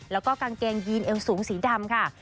แล้วก็กางเกงยีนเอวสูงสีดำค่ะ